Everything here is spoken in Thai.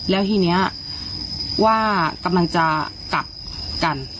แล้วทีนี้ว่ากำลังจะกลับกัน